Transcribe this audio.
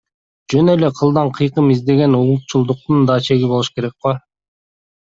Жөн эле кылдан кыйкым издеген улутчулдуктун да чеги болуш керек ко.